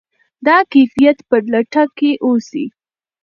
د کیفیت په لټه کې اوسئ.